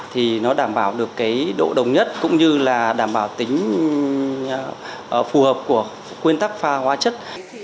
thì nó đảm bảo được cái độ đồng nhất cũng như là đảm bảo tính phù hợp của quyên tắc pha hóa chất